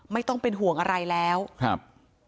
ไม่ต้องเป็นห่วงอะไรแล้วครับ